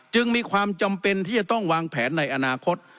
จึงมีความจำเป็นที่จะต้องวางแผนในอนาคต